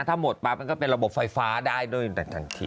ถ้าหมดปั๊บมันก็เป็นระบบไฟฟ้าได้ด้วยแต่ทันที